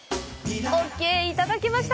ＯＫいただけました！